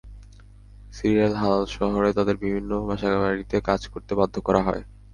সিরিয়ার হালাল শহরে তাঁদের বিভিন্ন বাসাবাড়িতে কাজ করতে বাধ্য করা হয়।